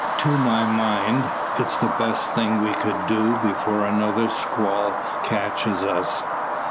To my mind, it's the best thing we could do before another squall catches us."